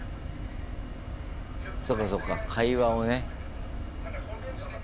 そうかそうか会話をね。